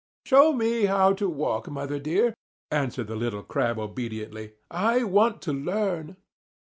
"Show me how to walk, mother dear," answered the little Crab obediently, "I want to learn."